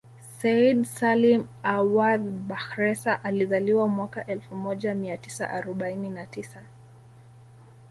Said Salim Awadh Bakhresa alizaliwa mwaka elfu moja mia tisa arobaini na tisa